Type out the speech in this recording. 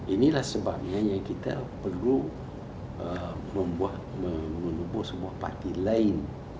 inilah sebabnya yang kita perlu membuat sebuah partai lain